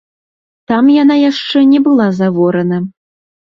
Там яна яшчэ не была заворана.